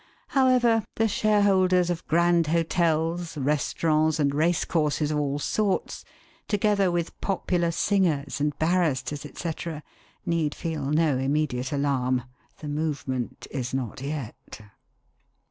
However, the shareholders of grand hotels, restaurants, and race courses of all sorts, together with popular singers and barristers, etc., need feel no immediate alarm. The movement is not yet.